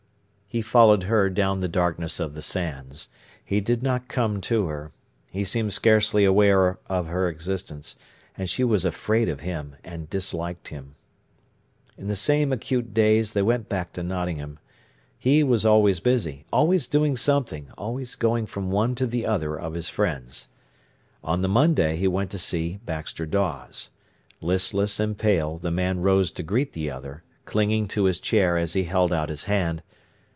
He followed her down the darkness of the sands. He did not come to her. He seemed scarcely aware of her existence. And she was afraid of him, and disliked him. In the same acute daze they went back to Nottingham. He was always busy, always doing something, always going from one to the other of his friends. On the Monday he went to see Baxter Dawes. Listless and pale, the man rose to greet the other, clinging to his chair as he held out his hand.